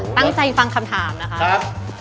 ตั้งใจฟังคำถามนะครับ